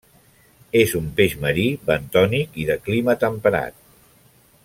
És un peix marí, bentònic i de clima temperat.